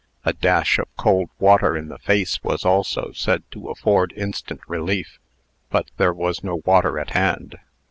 A dash of cold water in the face was also said to afford instant relief; but there was no water at hand.